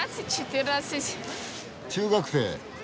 中学生。